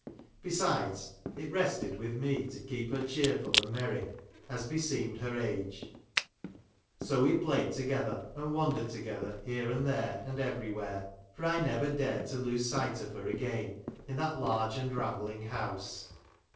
Besides, it rested with me to keep her cheerful and mex'ry, as beseemed her age. So we played together, and wandered together, here and there, and everywhere ; for I never dared Charles Dickens.] THE OLD NUESE'S STOEY. 17 to lose sight of her again in that large and rambling house.